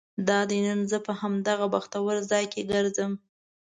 دادی نن زه په همدغه بختور ځای کې ګرځم.